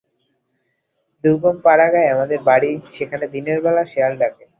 দুর্গম পাড়াগাঁয়ে আমাদের বাড়ি, সেখানে দিনের বেলা শেয়াল ডাকে।